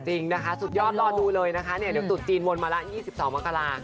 จริงนะคะสุดยอดรอดูเลยนะคะสุดจีนมนต์มาแล้ว๒๒มกราศ